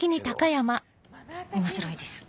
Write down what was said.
面白いです。